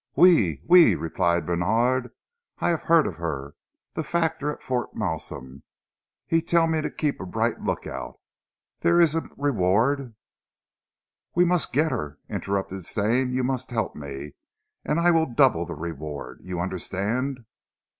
"Oui! Oui!" replied Bènard. "I haf heard of her. The factor at Fort Malsun, he tell me to keep a bright look out. Dere ees a reward " "We must get her!" interrupted Stane. "You must help me and I will double the reward. You understand?"